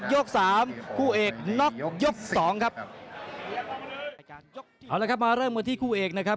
แล้วครับมาเริ่มเมื่อที่ครู่เอกนะครับ